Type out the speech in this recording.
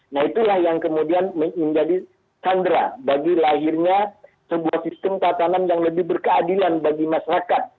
nah itulah yang kemudian menjadi sandera bagi lahirnya sebuah sistem tatanan yang lebih berkeadilan bagi masyarakat